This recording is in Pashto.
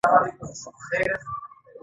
ښځې په خپلو کورونو کې په لاسي صنایعو کار کوي.